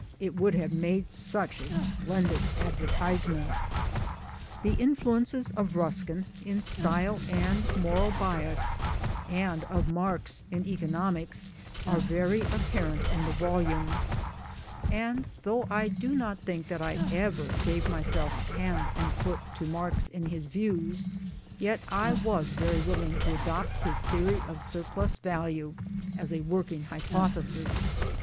It would have made such a splendid advertisement. The influences of Ruskin, in style and moral bias, 140 MY DAYS AND DREAMS and of Marx in economics, are very apparent in the volume ; and though I do not think that I ever gave myself ' hand and foot ' to Marx in his views ; yet I was very willing to adopt his theory of surplus value as a working hypothesis.